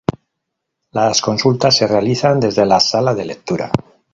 Las consultas se realizan desde la Sala de Lectura.